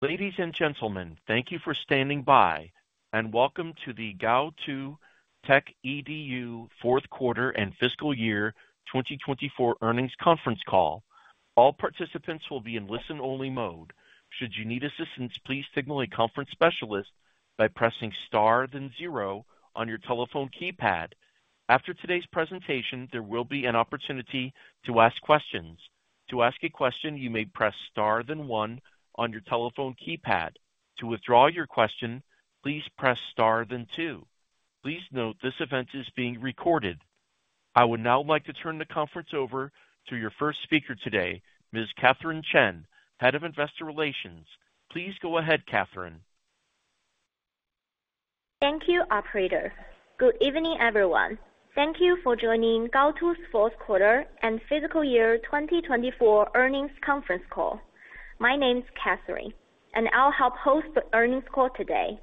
Ladies and gentlemen, thank you for standing by, and welcome to the Gaotu Techedu Fourth Quarter and Fiscal Year 2024 Earnings Conference Call. All participants will be in listen-only mode. Should you need assistance, please signal a conference specialist by pressing star then zero on your telephone keypad. After today's presentation, there will be an opportunity to ask questions. To ask a question, you may press star then one on your telephone keypad. To withdraw your question, please press star then two. Please note this event is being recorded. I would now like to turn the conference over to your first speaker today, Ms. Catherine Chen, Head of Investor Relations. Please go ahead, Catherine. Thank you, operator. Good evening, everyone. Thank you for joining Gaotu's Fourth Quarter and Fiscal Year 2024 Earnings Conference Call. My name's Catherine, and I'll help host the earnings call today.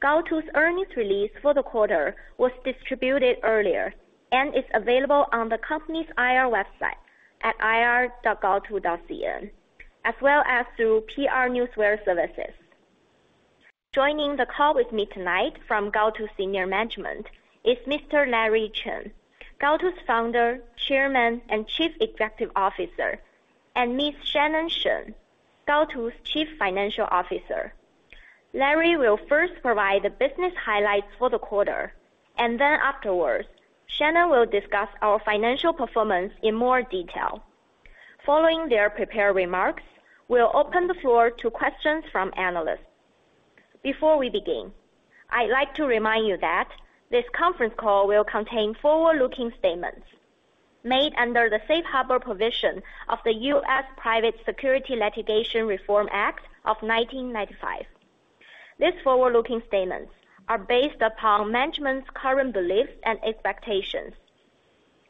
Gaotu's earnings release for the quarter was distributed earlier and is available on the company's IR website at ir.gaotu.cn, as well as through PR Newswire services. Joining the call with me tonight from Gaotu's senior management is Mr. Larry Chen, Gaotu's Founder, Chairman, and Chief Executive Officer, and Ms. Shannon Shen, Gaotu's Chief Financial Officer. Larry will first provide the business highlights for the quarter, and then afterwards, Shannon will discuss our financial performance in more detail. Following their prepared remarks, we'll open the floor to questions from analysts. Before we begin, I'd like to remind you that this conference call will contain forward-looking statements made under the safe harbor provision of the U.S. Private Securities Litigation Reform Act of 1995. These forward-looking statements are based upon management's current beliefs and expectations,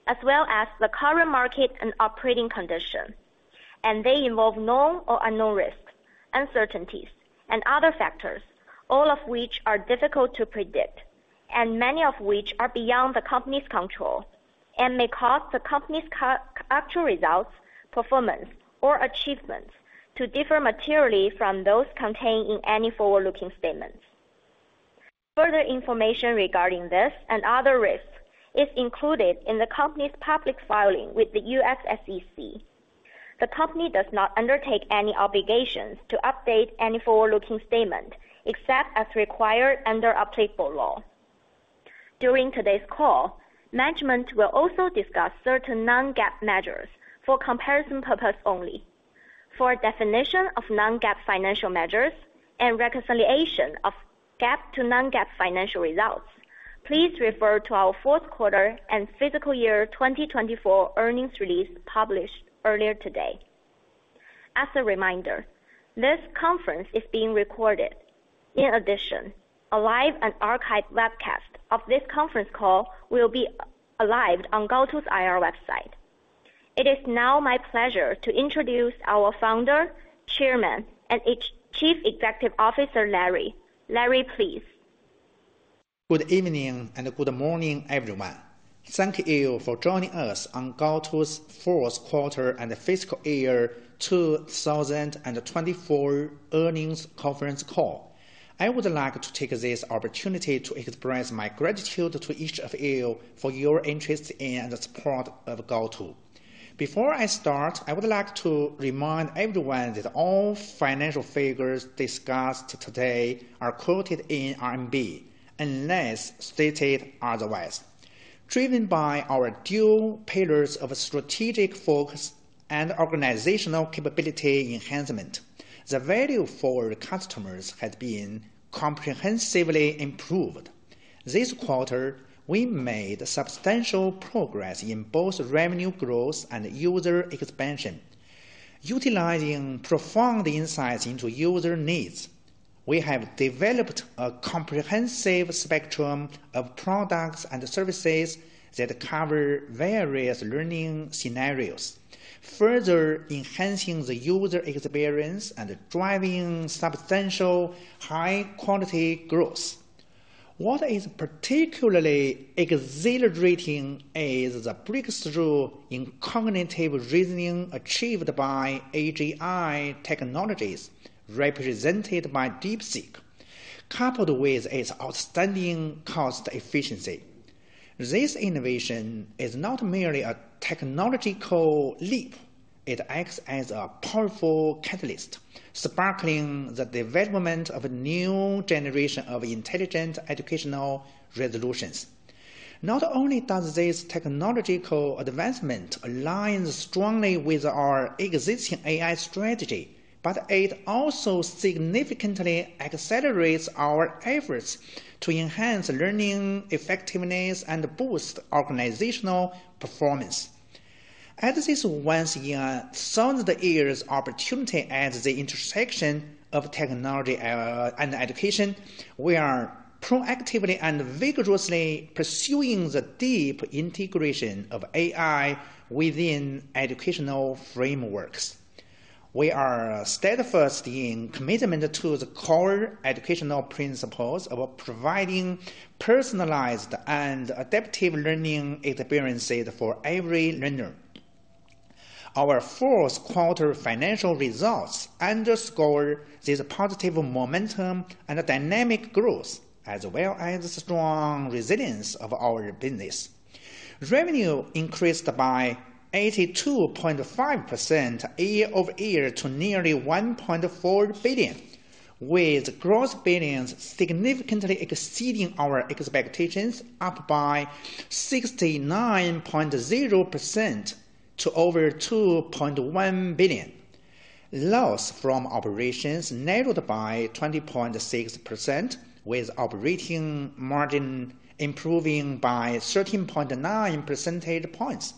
as well as the current market and operating conditions, and they involve known or unknown risks, uncertainties, and other factors, all of which are difficult to predict, and many of which are beyond the company's control and may cause the company's actual results, performance, or achievements to differ materially from those contained in any forward-looking statements. Further information regarding this and other risks is included in the company's public filing with the U.S. SEC. The company does not undertake any obligations to update any forward-looking statement except as required under applicable law. During today's call, management will also discuss certain non-GAAP measures for comparison purposes only. For a definition of non-GAAP financial measures and reconciliation of GAAP to non-GAAP financial results, please refer to our Fourth Quarter and Fiscal Year 2024 earnings release published earlier today. As a reminder, this conference is being recorded. In addition, a live and archived webcast of this conference call will be live on Gaotu's IR website. It is now my pleasure to introduce our Founder, Chairman, and Chief Executive Officer, Larry. Larry, please. Good evening and good morning, everyone. Thank you for joining us on Gaotu's Fourth Quarter and Fiscal Year 2024 earnings conference call. I would like to take this opportunity to express my gratitude to each of you for your interest in and support of Gaotu. Before I start, I would like to remind everyone that all financial figures discussed today are quoted in RMB unless stated otherwise. Driven by our dual pillars of strategic focus and organizational capability enhancement, the value for customers has been comprehensively improved. This quarter, we made substantial progress in both revenue growth and user expansion. Utilizing profound insights into user needs, we have developed a comprehensive spectrum of products and services that cover various learning scenarios, further enhancing the user experience and driving substantial high-quality growth. What is particularly exhilarating is the breakthrough in cognitive reasoning achieved by AGI technologies, represented by DeepSeek, coupled with its outstanding cost efficiency. This innovation is not merely a technological leap. It acts as a powerful catalyst, sparking the development of a new generation of intelligent educational solutions. Not only does this technological advancement align strongly with our existing AI strategy, but it also significantly accelerates our efforts to enhance learning effectiveness and boost organizational performance. As this once-in-a-lifetime opportunity at the intersection of technology and education, we are proactively and vigorously pursuing the deep integration of AI within educational frameworks. We are steadfast in our commitment to the core educational principles of providing personalized and adaptive learning experiences for every learner. Our Fourth Quarter financial results underscore this positive momentum and dynamic growth, as well as the strong resilience of our business. Revenue increased by 82.5% year over year to nearly 1.4 billion, with gross billings significantly exceeding our expectations, up by 69.0% to over 2.1 billion. Loss from operations narrowed by 20.6%, with operating margin improving by 13.9 percentage points,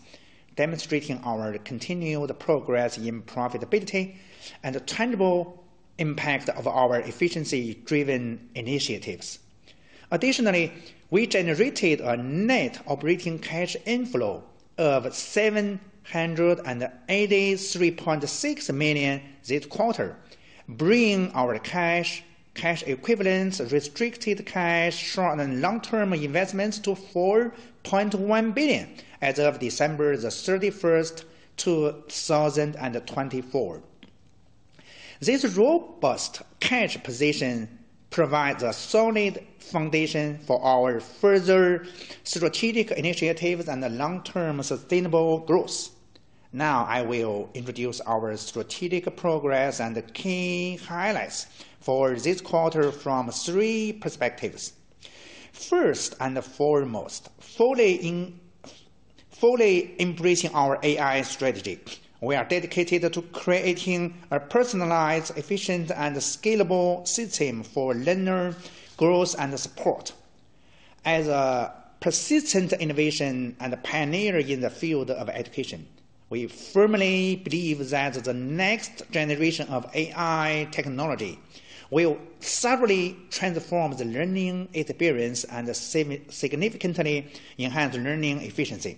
demonstrating our continued progress in profitability and the tangible impact of our efficiency-driven initiatives. Additionally, we generated a net operating cash inflow of 783.6 million this quarter, bringing our cash equivalents, restricted cash, short, and long-term investments to 4.1 billion as of December 31st, 2024. This robust cash position provides a solid foundation for our further strategic initiatives and long-term sustainable growth. Now, I will introduce our strategic progress and key highlights for this quarter from three perspectives. First and foremost, fully embracing our AI strategy, we are dedicated to creating a personalized, efficient, and scalable system for learner growth and support. As a persistent innovation and pioneer in the field of education, we firmly believe that the next generation of AI technology will subtly transform the learning experience and significantly enhance learning efficiency.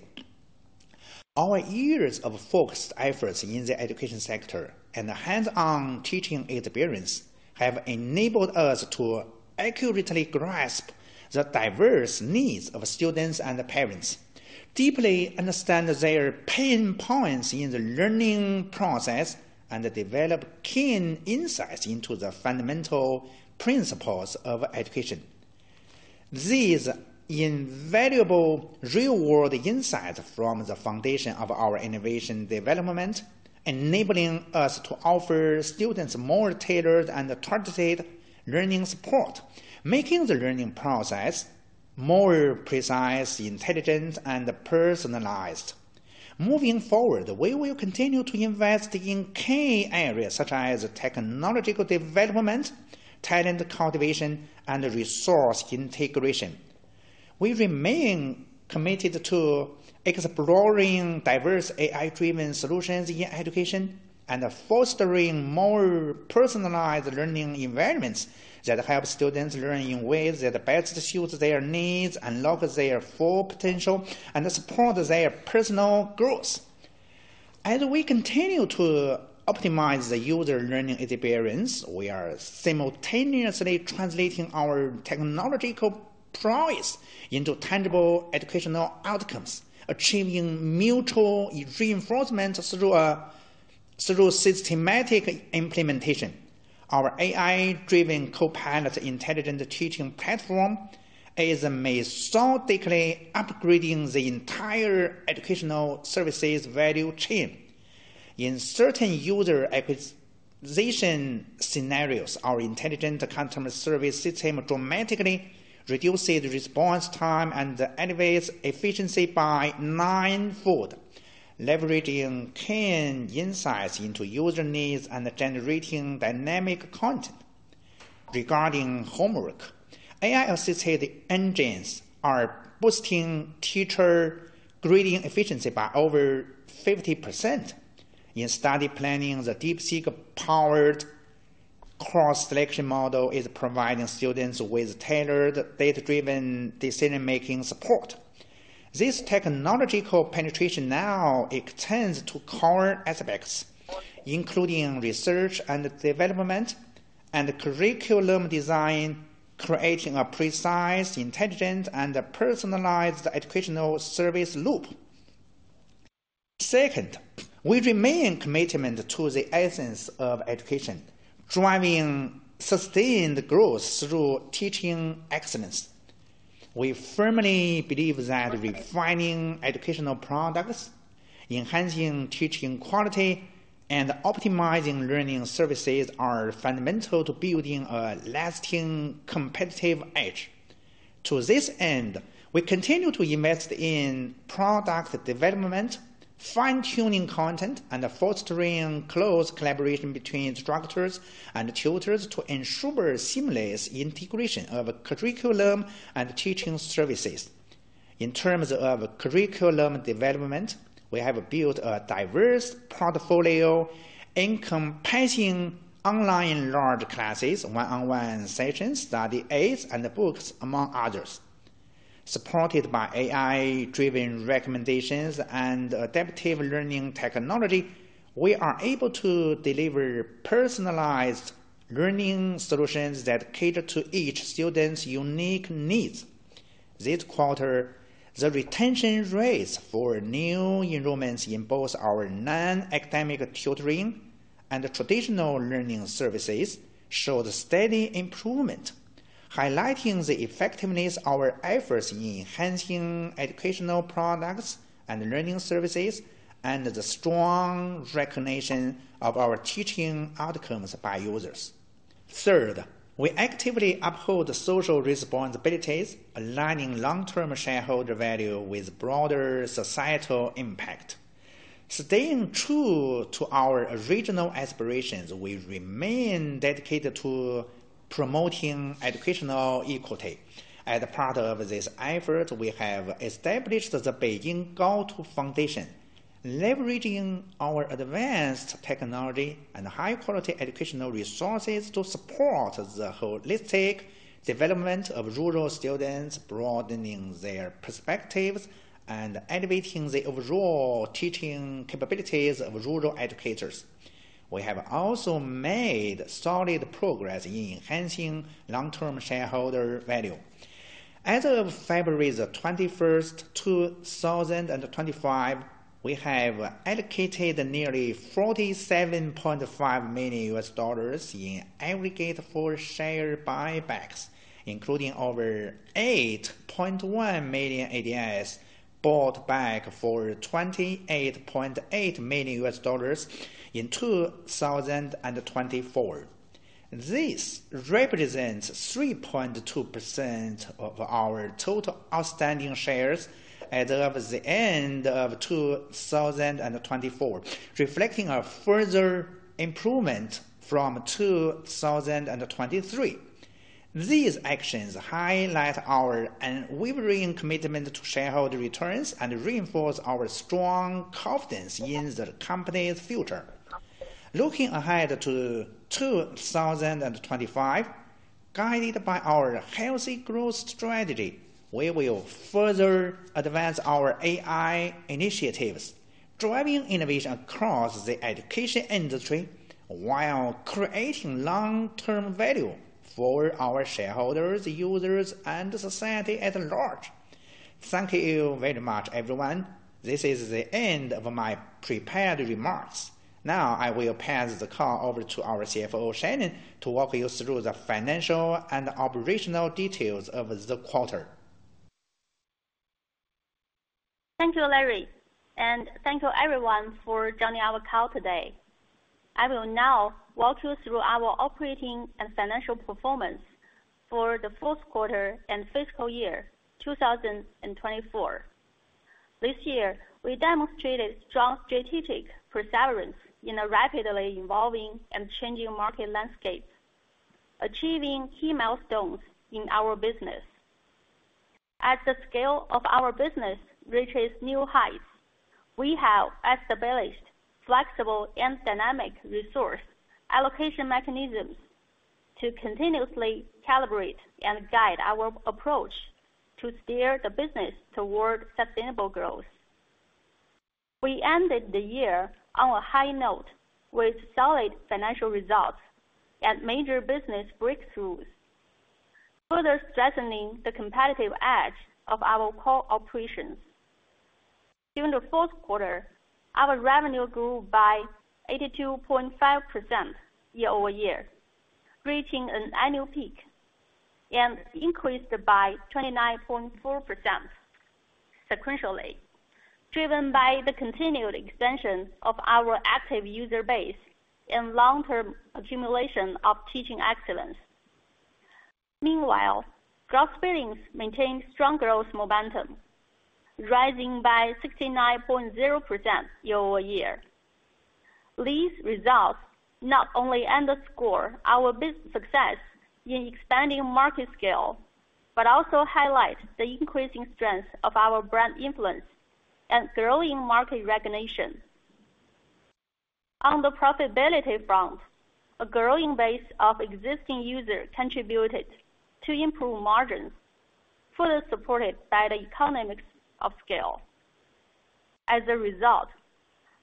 Our years of focused efforts in the education sector and hands-on teaching experience have enabled us to accurately grasp the diverse needs of students and parents, deeply understand their pain points in the learning process, and develop keen insights into the fundamental principles of education. These invaluable real-world insights form the foundation of our innovation development, enabling us to offer students more tailored and targeted learning support, making the learning process more precise, intelligent, and personalized. Moving forward, we will continue to invest in key areas such as technological development, talent cultivation, and resource integration. We remain committed to exploring diverse AI-driven solutions in education and fostering more personalized learning environments that help students learn in ways that best suit their needs, unlock their full potential, and support their personal growth. As we continue to optimize the user learning experience, we are simultaneously translating our technological prowess into tangible educational outcomes, achieving mutual reinforcement through systematic implementation. Our AI-driven co-pilot intelligent teaching platform is massively upgrading the entire educational services value chain. In certain user acquisition scenarios, our intelligent customer service system dramatically reduces response time and elevates efficiency by ninefold, leveraging keen insights into user needs and generating dynamic content. Regarding homework, AI-assisted engines are boosting teacher grading efficiency by over 50%. In study planning, the DeepSeek-powered course selection model is providing students with tailored data-driven decision-making support. This technological penetration now extends to core aspects, including research and development and curriculum design, creating a precise intelligent and personalized educational service loop. Second, we remain committed to the essence of education, driving sustained growth through teaching excellence. We firmly believe that refining educational products, enhancing teaching quality, and optimizing learning services are fundamental to building a lasting competitive edge. To this end, we continue to invest in product development, fine-tuning content, and fostering close collaboration between instructors and tutors to ensure seamless integration of curriculum and teaching services. In terms of curriculum development, we have built a diverse portfolio encompassing online large classes, one-on-one sessions, study aids, and books, among others. Supported by AI-driven recommendations and adaptive learning technology, we are able to deliver personalized learning solutions that cater to each student's unique needs. This quarter, the retention rates for new enrollments in both our non-academic tutoring and traditional learning services showed steady improvement, highlighting the effectiveness of our efforts in enhancing educational products and learning services and the strong recognition of our teaching outcomes by users. Third, we actively uphold social responsibilities, aligning long-term shareholder value with broader societal impact. Staying true to our original aspirations, we remain dedicated to promoting educational equality. As part of this effort, we have established the Beijing Gaotu Foundation, leveraging our advanced technology and high-quality educational resources to support the holistic development of rural students, broadening their perspectives and elevating the overall teaching capabilities of rural educators. We have also made solid progress in enhancing long-term shareholder value. As of February 21st, 2025, we have allocated nearly $47.5 million in aggregate for share buybacks, including over 8.1 million ADS bought back for $28.8 million in 2024. This represents 3.2% of our total outstanding shares as of the end of 2024, reflecting a further improvement from 2023. These actions highlight our unwavering commitment to shareholder returns and reinforce our strong confidence in the company's future. Looking ahead to 2025, guided by our healthy growth strategy, we will further advance our AI initiatives, driving innovation across the education industry while creating long-term value for our shareholders, users, and society at large. Thank you very much, everyone. This is the end of my prepared remarks. Now, I will pass the call over to our CFO, Shannon, to walk you through the financial and operational details of this quarter. Thank you, Larry, and thank you, everyone, for joining our call today. I will now walk you through our operating and financial performance for the Fourth Quarter and Fiscal Year 2024. This year, we demonstrated strong strategic perseverance in a rapidly evolving and changing market landscape, achieving key milestones in our business. As the scale of our business reaches new heights, we have established flexible and dynamic resource allocation mechanisms to continuously calibrate and guide our approach to steer the business toward sustainable growth. We ended the year on a high note with solid financial results and major business breakthroughs, further strengthening the competitive edge of our core operations. During the Fourth Quarter, our revenue grew by 82.5% year over year, and increased by 29.4% sequentially, driven by the continued extension of our active user base and long-term accumulation of teaching excellence. Meanwhile, gross billings maintained strong growth momentum, rising by 69.0% year over year. These results not only underscore our business success in expanding market scale but also highlight the increasing strength of our brand influence and growing market recognition. On the profitability front, a growing base of existing users contributed to improved margins, further supported by the economics of scale. As a result,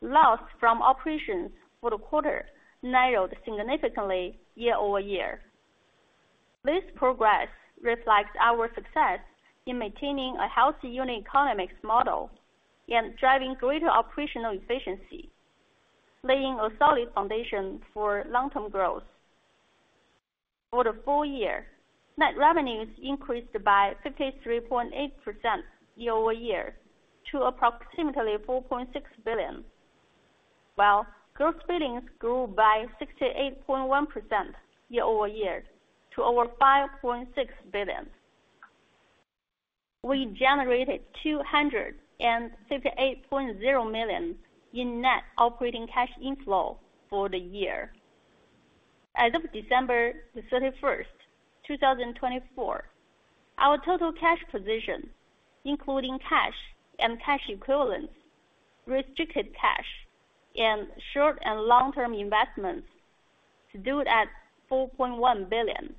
loss from operations for the quarter narrowed significantly year over year. This progress reflects our success in maintaining a healthy unit economics model and driving greater operational efficiency, laying a solid foundation for long-term growth. For the full year, net revenues increased by 53.8% year over year to approximately 4.6 billion, while gross billings grew by 68.1% year over year to over 5.6 billion. We generated 258.0 million in net operating cash inflow for the year. As of December 31st, 2024, our total cash position, including cash and cash equivalents, restricted cash, and short and long-term investments, stood at 4.1 billion.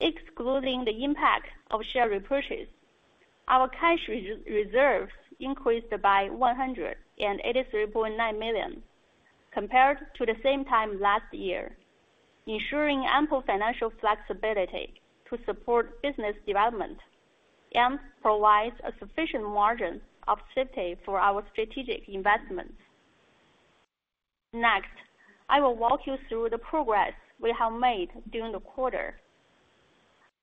Excluding the impact of share repurchase, our cash reserves increased by 183.9 million compared to the same time last year, ensuring ample financial flexibility to support business development and provides a sufficient margin of safety for our strategic investments. Next, I will walk you through the progress we have made during the quarter.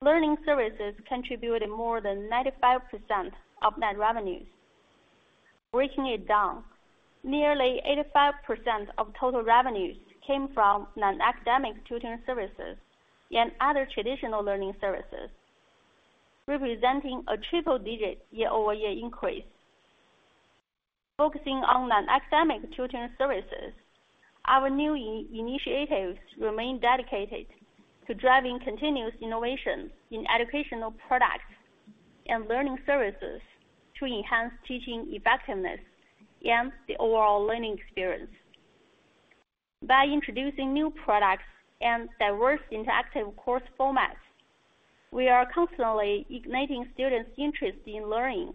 Learning services contributed more than 95% of net revenues. Breaking it down, nearly 85% of total revenues came from non-academic tutoring services and other traditional learning services, representing a triple-digit year-over-year increase. Focusing on non-academic tutoring services, our new initiatives remain dedicated to driving continuous innovation in educational products and learning services to enhance teaching effectiveness and the overall learning experience. By introducing new products and diverse interactive course formats, we are constantly igniting students' interest in learning,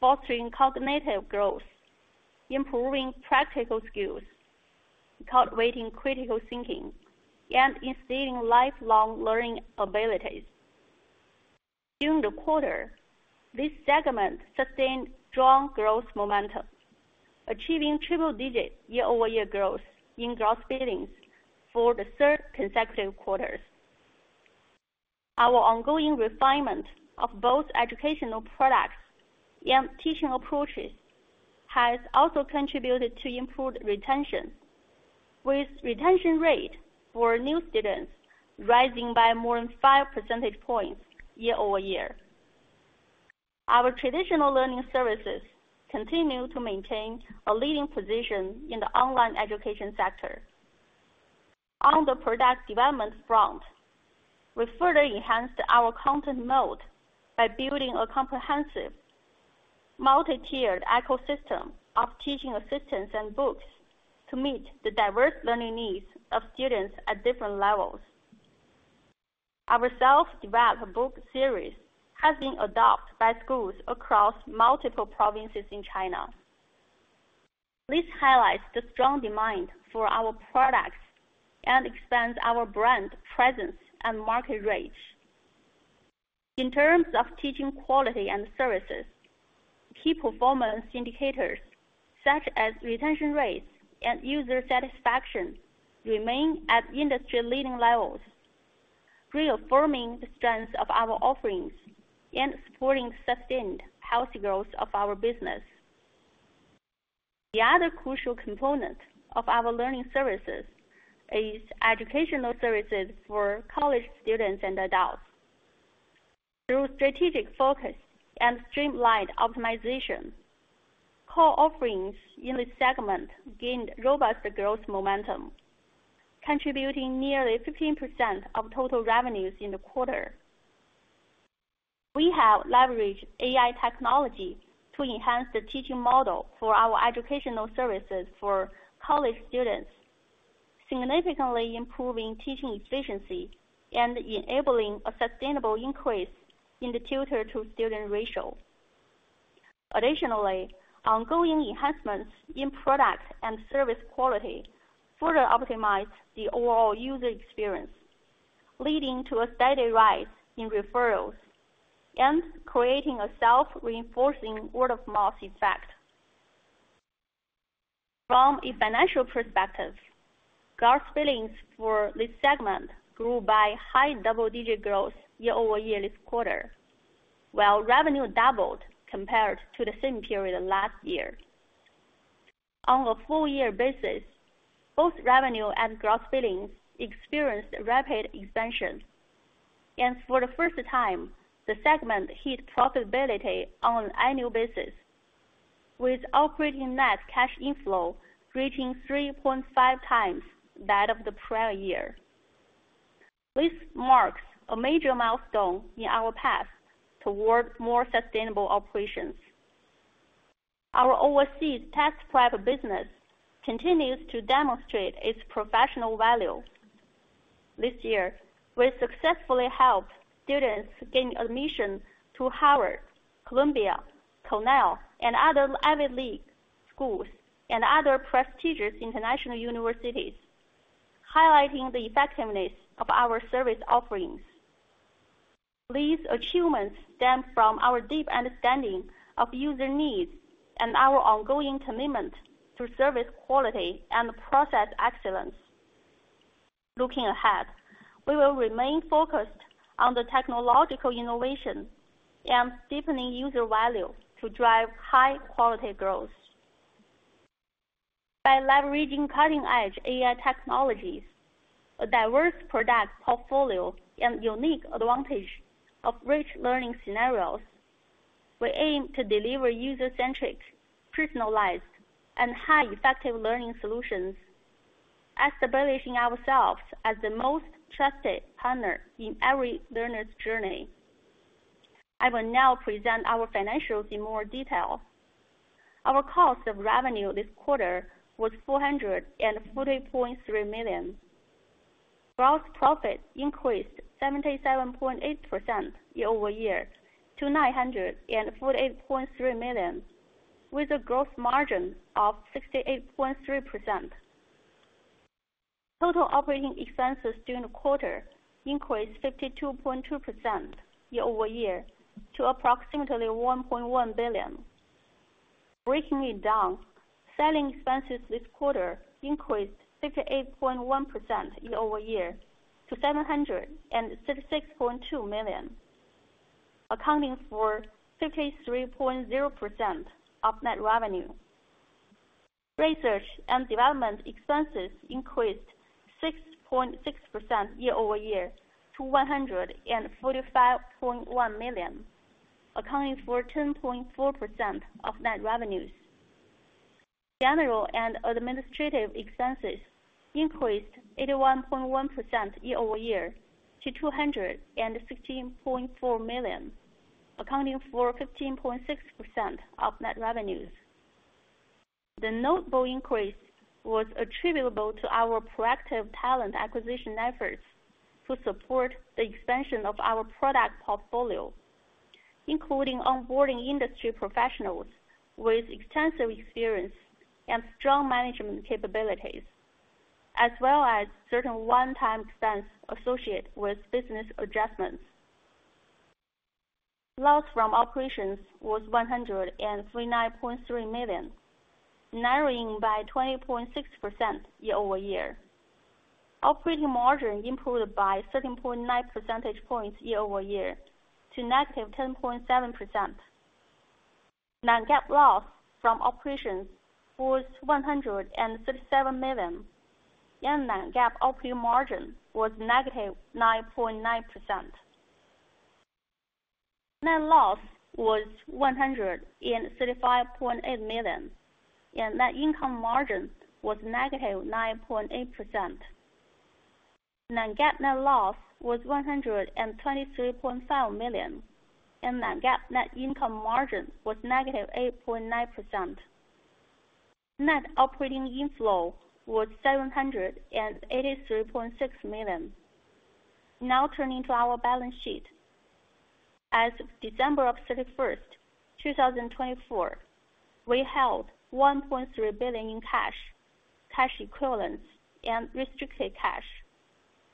fostering cognitive growth, improving practical skills, cultivating critical thinking, and instilling lifelong learning abilities. During the quarter, this segment sustained strong growth momentum, achieving triple-digit year-over-year growth in gross billings for the third consecutive quarters. Our ongoing refinement of both educational products and teaching approaches has also contributed to improved retention, with retention rates for new students rising by more than 5 percentage points year over year. Our traditional learning services continue to maintain a leading position in the online education sector. On the product development front, we further enhanced our content moat by building a comprehensive, multi-tiered ecosystem of teaching assistants and books to meet the diverse learning needs of students at different levels. Our self-developed book series has been adopted by schools across multiple provinces in China. This highlights the strong demand for our products and expands our brand presence and market reach. In terms of teaching quality and services, key performance indicators such as retention rates and user satisfaction remain at industry-leading levels, reaffirming the strength of our offerings and supporting sustained healthy growth of our business. The other crucial component of our learning services is educational services for college students and adults. Through strategic focus and streamlined optimization, core offerings in this segment gained robust growth momentum, contributing nearly 15% of total revenues in the quarter. We have leveraged AI technology to enhance the teaching model for our educational services for college students, significantly improving teaching efficiency and enabling a sustainable increase in the tutor-to-student ratio. Additionally, ongoing enhancements in product and service quality further optimized the overall user experience, leading to a steady rise in referrals and creating a self-reinforcing word-of-mouth effect. From a financial perspective, gross billings for this segment grew by high double-digit growth year-over-year this quarter, while revenue doubled compared to the same period last year. On a full-year basis, both revenue and gross billings experienced rapid expansion, and for the first time, the segment hit profitability on an annual basis, with operating net cash inflow reaching 3.5 times that of the prior year. This marks a major milestone in our path toward more sustainable operations. Our overseas test prep business continues to demonstrate its professional value. This year, we successfully helped students gain admission to Harvard, Columbia, Cornell, and other Ivy League schools and other prestigious international universities, highlighting the effectiveness of our service offerings. These achievements stem from our deep understanding of user needs and our ongoing commitment to service quality and process excellence. Looking ahead, we will remain focused on the technological innovation and deepening user value to drive high-quality growth. By leveraging cutting-edge AI technologies, a diverse product portfolio, and unique advantage of rich learning scenarios, we aim to deliver user-centric, personalized, and high-effective learning solutions, establishing ourselves as the most trusted partner in every learner's journey. I will now present our financials in more detail. Our cost of revenue this quarter was 440.3 million. Gross profit increased 77.8% year-over-year to 948.3 million, with a gross margin of 68.3%. Total operating expenses during the quarter increased 52.2% year-over-year to approximately 1.1 billion. Breaking it down, selling expenses this quarter increased 58.1% year-over-year to 736.2 million, accounting for 53.0% of net revenue. Research and development expenses increased 6.6% year-over-year to 145.1 million, accounting for 10.4% of net revenues. General and administrative expenses increased 81.1% year-over-year to 216.4 million, accounting for 15.6% of net revenues. The notable increase was attributable to our proactive talent acquisition efforts to support the expansion of our product portfolio, including onboarding industry professionals with extensive experience and strong management capabilities, as well as certain one-time expenses associated with business adjustments. Loss from operations was 139.3 million, narrowing by 20.6% year-over-year. Operating margin improved by 13.9 percentage points year-over-year to negative 10.7%. Non-GAAP loss from operations was 137 million, and Non-GAAP operating margin was negative 9.9%. Net loss was 135.8 million, and net income margin was negative 9.8%. Non-GAAP net loss was 123.5 million, and Non-GAAP net income margin was negative 8.9%. Net operating inflow was 783.6 million. Now turning to our balance sheet. As of December 31st, 2024, we held 1.3 billion in cash, cash equivalents, and restricted cash,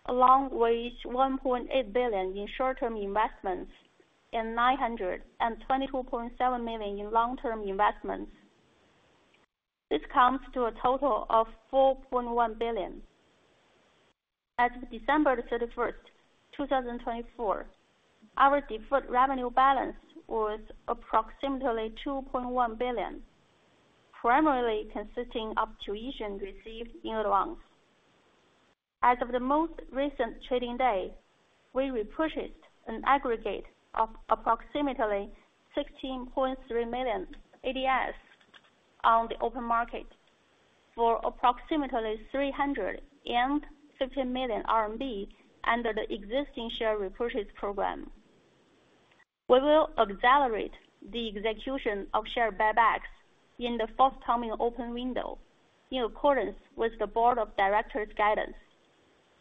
along with 1.8 billion in short-term investments and 922.7 million in long-term investments. This comes to a total of 4.1 billion. As of December 31st, 2024, our deferred revenue balance was approximately 2.1 billion, primarily consisting of tuition received in advance. As of the most recent trading day, we repurchased an aggregate of approximately 16.3 million ADS on the open market for approximately 350 million RMB under the existing share repurchase program. We will accelerate the execution of share buybacks in the forthcoming open window in accordance with the Board of Directors' guidance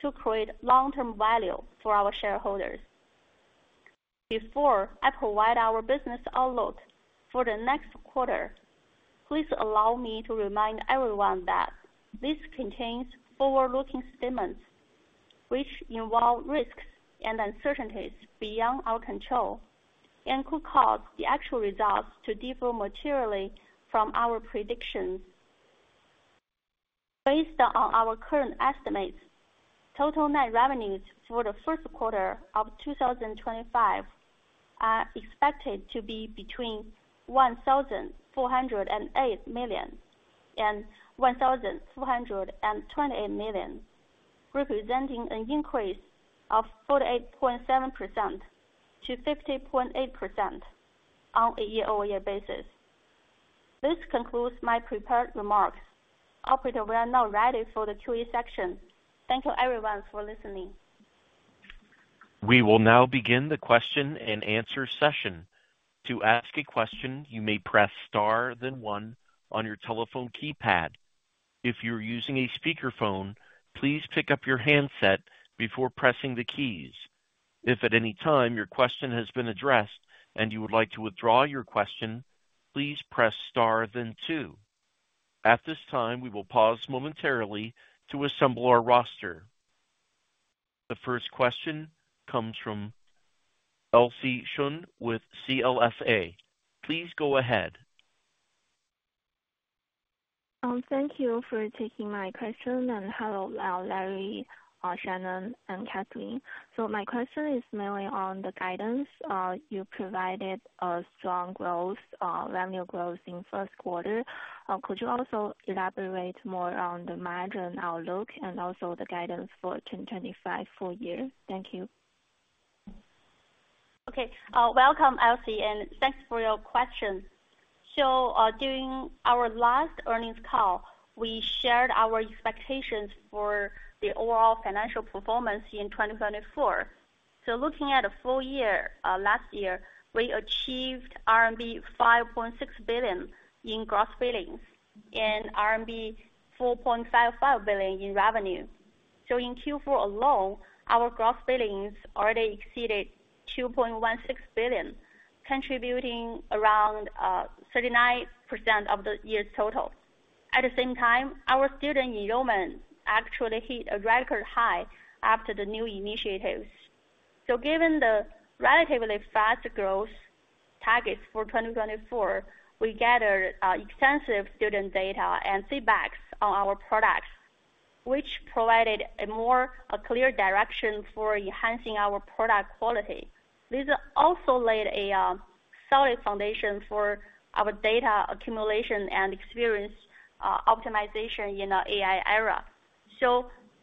to create long-term value for our shareholders. Before I provide our business outlook for the next quarter, please allow me to remind everyone that this contains forward-looking statements, which involve risks and uncertainties beyond our control and could cause the actual results to differ materially from our predictions. Based on our current estimates, total net revenues for the first quarter of 2025 are expected to be between 1,408 million and 1,428 million, representing an increase of 48.7% to 50.8% on a year-over-year basis. This concludes my prepared remarks. Operator, we are now ready for the Q&A section. Thank you, everyone, for listening. We will now begin the question and answer session. To ask a question, you may press star then one on your telephone keypad. If you're using a speakerphone, please pick up your handset before pressing the keys. If at any time your question has been addressed and you would like to withdraw your question, please press star then two. At this time, we will pause momentarily to assemble our roster. The first question comes from Elsie Sheng with CLSA. Please go ahead. Thank you for taking my question. And hello, Larry, Shannon, and Catherine. So my question is mainly on the guidance. You provided a strong revenue growth in the first quarter. Could you also elaborate more on the margin outlook and also the guidance for 2025 full year? Thank you. Okay. Welcome, Elsie, and thanks for your question. So during our last earnings call, we shared our expectations for the overall financial performance in 2024. So looking at the full year last year, we achieved RMB 5.6 billion in gross billings and RMB 4.55 billion in revenue. In Q4 alone, our gross billings already exceeded 2.16 billion, contributing around 39% of the year's total. At the same time, our student enrollment actually hit a record high after the new initiatives. Given the relatively fast growth targets for 2024, we gathered extensive student data and feedbacks on our products, which provided a more clear direction for enhancing our product quality. This also laid a solid foundation for our data accumulation and experience optimization in the AI era.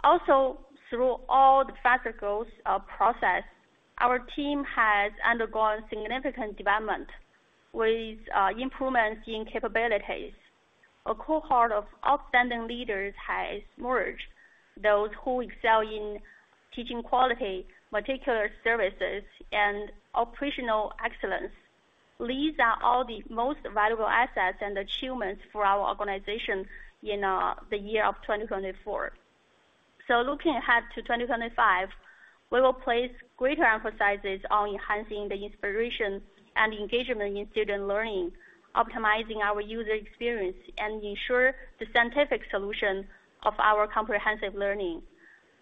Also through all the fast growth process, our team has undergone significant development with improvements in capabilities. A cohort of outstanding leaders has emerged, those who excel in teaching quality, particular services, and operational excellence. These are all the most valuable assets and achievements for our organization in the year of 2024. Looking ahead to 2025, we will place greater emphases on enhancing the inspiration and engagement in student learning, optimizing our user experience, and ensuring the scientific solution of our comprehensive learning.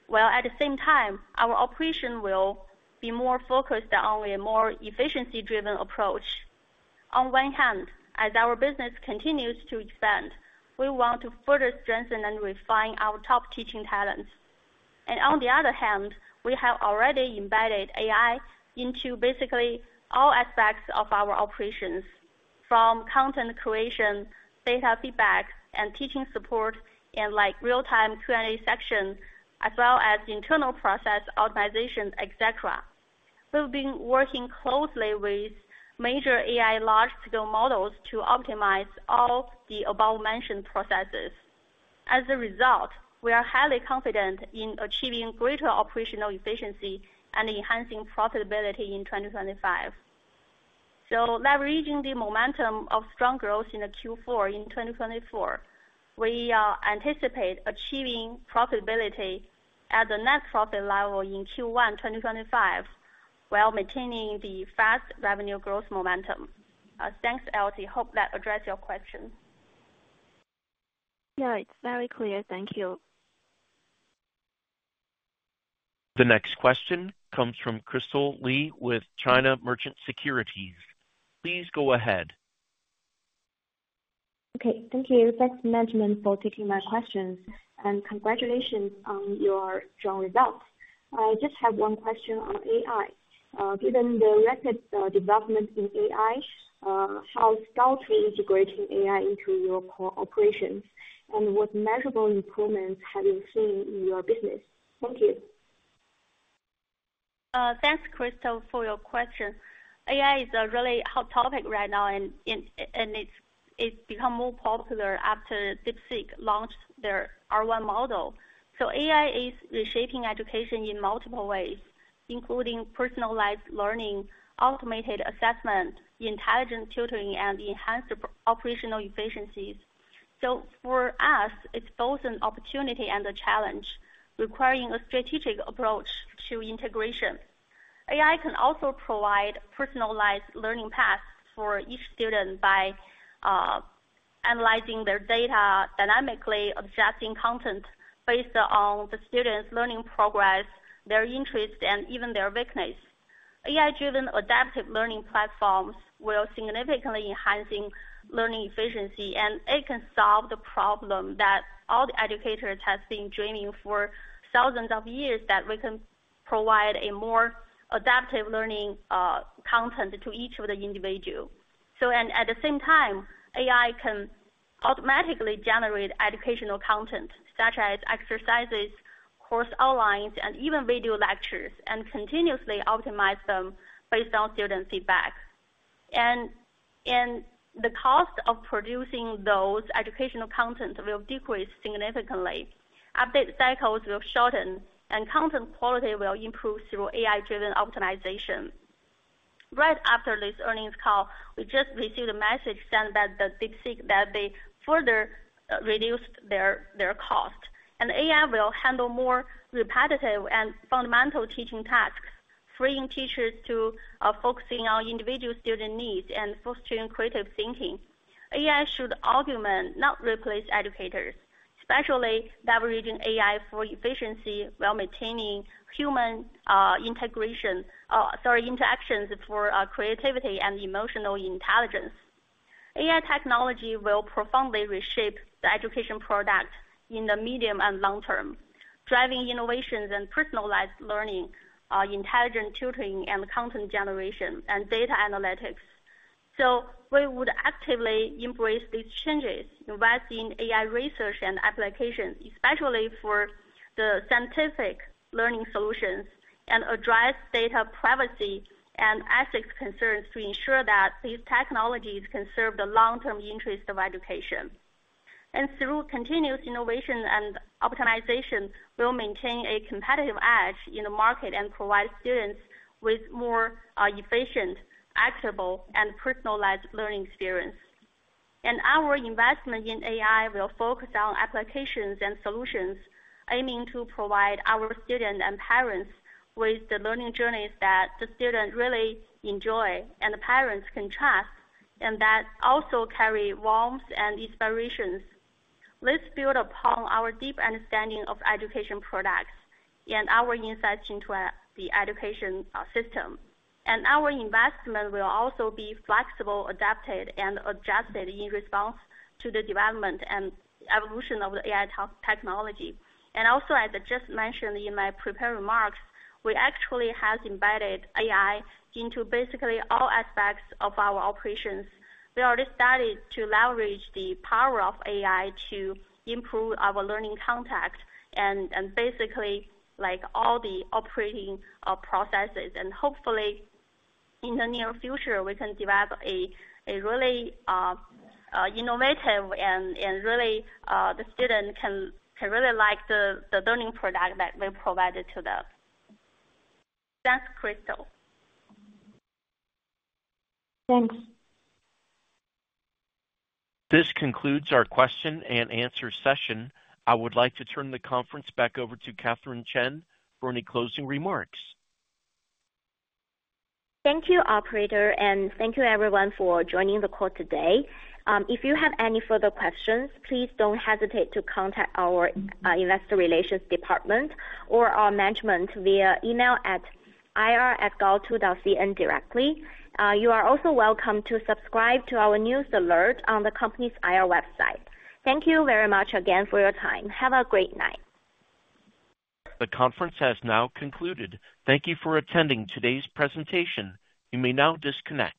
While at the same time, our operation will be more focused on a more efficiency-driven approach. On one hand, as our business continues to expand, we want to further strengthen and refine our top teaching talents. On the other hand, we have already embedded AI into basically all aspects of our operations, from content creation, data feedback, and teaching support, and like real-time Q&A section, as well as internal process optimization, etc. We've been working closely with major AI large-scale models to optimize all the above-mentioned processes. As a result, we are highly confident in achieving greater operational efficiency and enhancing profitability in 2025. So leveraging the momentum of strong growth in Q4 in 2024, we anticipate achieving profitability at the net profit level in Q1 2025 while maintaining the fast revenue growth momentum. Thanks, Elsie. Hope that addressed your question. Yeah, it's very clear. Thank you. The next question comes from Crystal Li with China Merchants Securities. Please go ahead. Okay. Thank you, thanks, Management, for taking my questions, and congratulations on your strong results. I just have one question on AI. Given the rapid development in AI, how thoughtfully are you integrating AI into your core operations, and what measurable improvements have you seen in your business? Thank you. Thanks, Crystal, for your question. AI is a really hot topic right now, and it's become more popular after DeepSeek launched their R1 model. So AI is reshaping education in multiple ways, including personalized learning, automated assessment, intelligent tutoring, and enhanced operational efficiencies. For us, it's both an opportunity and a challenge, requiring a strategic approach to integration. AI can also provide personalized learning paths for each student by analyzing their data dynamically, adjusting content based on the student's learning progress, their interests, and even their weaknesses. AI-driven adaptive learning platforms will significantly enhance learning efficiency, and it can solve the problem that all the educators have been dreaming for thousands of years: that we can provide a more adaptive learning content to each of the individuals. At the same time, AI can automatically generate educational content, such as exercises, course outlines, and even video lectures, and continuously optimize them based on student feedback. The cost of producing those educational contents will decrease significantly. Update cycles will shorten, and content quality will improve through AI-driven optimization. Right after this earnings call, we just received a message sent by DeepSeek that they further reduced their cost, and AI will handle more repetitive and fundamental teaching tasks, freeing teachers to focus on individual student needs and fostering creative thinking. AI should ultimately not replace educators, especially leveraging AI for efficiency, while maintaining human interactions for creativity and emotional intelligence. AI technology will profoundly reshape the education product in the medium and long term, driving innovations in personalized learning, intelligent tutoring, and content generation, and data analytics, so we would actively embrace these changes, investing in AI research and applications, especially for the scientific learning solutions, and address data privacy and ethics concerns to ensure that these technologies can serve the long-term interests of education. Through continuous innovation and optimization, we'll maintain a competitive edge in the market and provide students with more efficient, actionable, and personalized learning experiences. Our investment in AI will focus on applications and solutions, aiming to provide our students and parents with the learning journeys that the students really enjoy and the parents can trust, and that also carry warmth and inspiration. Let's build upon our deep understanding of education products and our insights into the education system. Our investment will also be flexible, adapted, and adjusted in response to the development and evolution of the AI technology. Also, as I just mentioned in my prepared remarks, we actually have embedded AI into basically all aspects of our operations. We already started to leverage the power of AI to improve our learning content and basically all the operating processes. And hopefully, in the near future, we can develop a really innovative and really the student can really like the learning product that we provided to them. Thanks, Crystal. Thanks. This concludes our question and answer session. I would like to turn the conference back over to Catherine Chen for any closing remarks. Thank you, Operator, and thank you, everyone, for joining the call today. If you have any further questions, please don't hesitate to contact our investor relations department or our management via email at ir@gaotu.cn directly. You are also welcome to subscribe to our news alert on the company's IR website. Thank you very much again for your time. Have a great night. The conference has now concluded. Thank you for attending today's presentation. You may now disconnect.